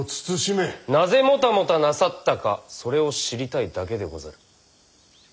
なぜもたもたなさったかそれを知りたいだけでござる。